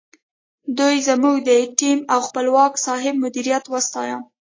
دوی زموږ د ټیم او خپلواک صاحب مدیریت وستایه.